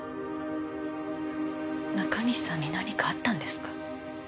中西さんに何かあったんですか？